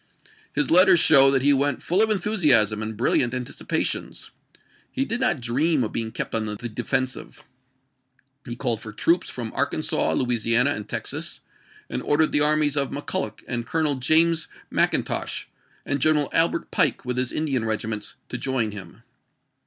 His letters show that he went full of enthusiasm and brilliant anticipations. He did not dream of being kept on the defensive. He called for troops from Arkansas, Louisiana, and Texas, and ordered the armies of McCulloch and Colonel James Mcin tosh, and General Albert Pike with his Indian regi ments, to join him.